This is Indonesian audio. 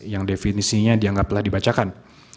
yang definisinya dianggap telah dibacakan